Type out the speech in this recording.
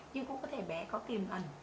nhưng cũng có thể bé có tìm ẩn